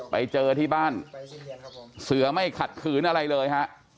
ไปเจอที่บ้านเสือไม่ขัดขืนอะไรเลยฮะ